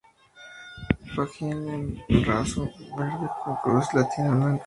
Fajín en raso verde con cruz latina blanca.